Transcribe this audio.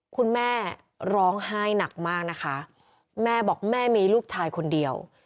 คุณแม่ร้องไห้หนักมากนะคะแม่บอกแม่มีลูกชายคนเดียว